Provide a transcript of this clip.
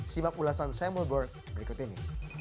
simak ulasan samuel board berikut ini